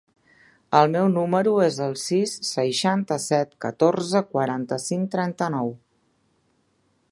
El meu número es el sis, seixanta-set, catorze, quaranta-cinc, trenta-nou.